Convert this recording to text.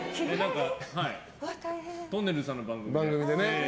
とんねるずさんの番組で。